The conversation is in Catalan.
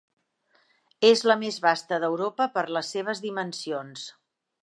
És la més vasta d'Europa per les seves dimensions.